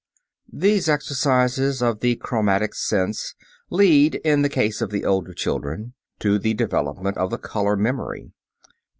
These exercises of the chromatic sense lead, in the case of the older children, to the development of the "color memory."